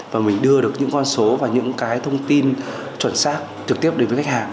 và mình đưa được những con số và những cái thông tin chuẩn xác trực tiếp đến với khách hàng